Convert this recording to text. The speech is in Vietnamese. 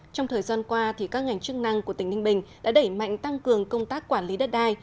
trong thời gian qua các ngành chức năng của tỉnh ninh bình đã đẩy mạnh tăng cường công tác quản lý đất đai